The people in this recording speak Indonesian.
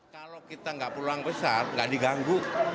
kalau kita nggak pulang besar nggak diganggu